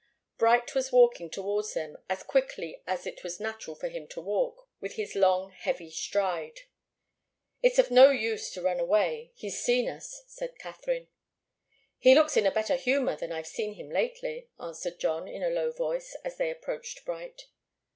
Bright was walking towards them, as quickly as it was natural for him to walk, with his long, heavy stride. "It's of no use to run away he's seen us," said Katharine. "He looks in a better humour than I've seen him lately," answered John in a low voice, as they approached Bright.